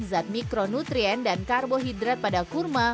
zat mikronutrien dan karbohidrat pada kurma